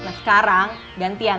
nah sekarang gantian